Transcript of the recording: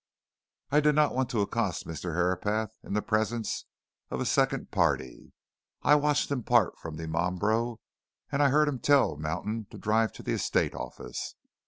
I did not want to accost Mr. Herapath in the presence of a second party. I watched him part from Dimambro, and I heard him tell Mountain to drive to the estate office.